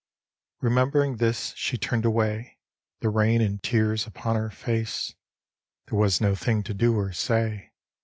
Remembering this, she turned away, The rain and tears upon her face. There was no thing to do or say.